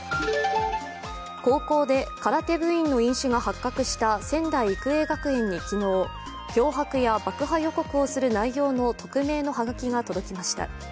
高校で空手部員の飲酒が発覚した仙台育英学園に昨日、脅迫や爆破予告をする内容の匿名のはがきが届きました。